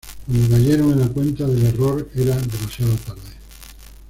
Cuando cayeron en la cuenta del error era demasiado tarde.